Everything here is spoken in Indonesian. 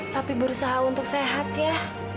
tapi berusaha untuk sehat ya